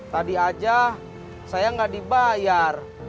tadi aja saya nggak dibayar